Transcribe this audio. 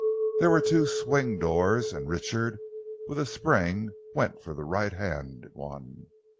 There were two swing doors, and Richard, with a spring, went for the right hand one.